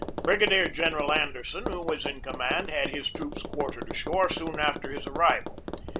Brigadier General Anderson, who was in com mand, had his troops quartered ashore soon after his arrival.